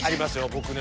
僕ね